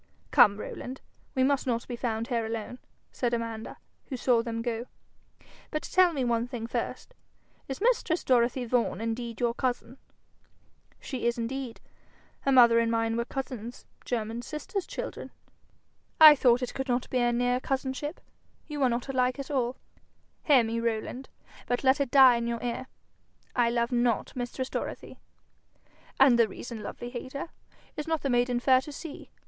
'Come, Rowland, we must not be found here alone,' said Amanda, who saw them go. 'But tell me one thing first: is mistress Dorothy Vaughan indeed your cousin?' 'She is indeed. Her mother and mine were cousins german sisters' children.' 'I thought it could not be a near cousinship. You are not alike at all. Hear me, Rowland, but let it die in your ear I love not mistress Dorothy.' 'And the reason, lovely hater? "Is not the maiden fair to see?"